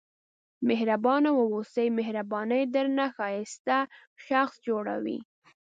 مهربانه واوسئ مهرباني درنه ښایسته شخص جوړوي.